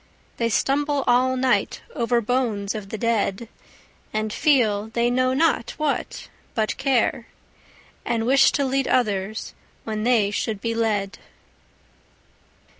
They stumble all night over bones of the dead; And feel—they know not what but care; And wish to lead others, when they should be led.